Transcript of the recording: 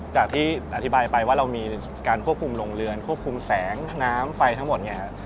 จากที่อธิบายไปว่าเรามีการควบคุมโรงเรือนควบคุมแสงน้ำไฟทั้งหมดเนี่ยฮะ